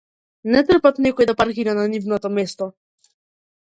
Не трпат некој да паркира на нивното место.